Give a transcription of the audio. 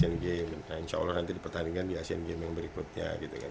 insya allah nanti dipertandingkan di asean games yang berikutnya gitu kan